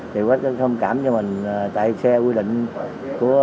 thì khách thông cảm cho mình tại xe quy định của thành phố